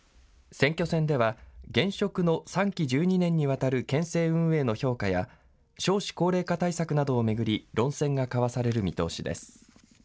選挙戦では現職の３期１２年にわたる県政運営の評価や、少子高齢化対策などを巡り論戦が交わされる見通しです。